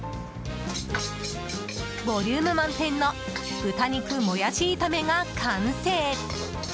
ボリューム満点の豚肉もやし炒めが完成。